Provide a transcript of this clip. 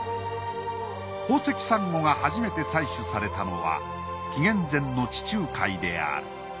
宝石サンゴが初めて採取されたのは紀元前の地中海である。